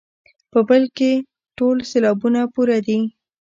په بل کې ټول سېلابونه پوره دي.